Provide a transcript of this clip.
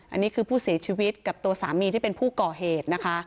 อันนี้คือผู้เสียชีวิตกับตัวสามีที่เป็นผู้ก่อเหตุนะคะ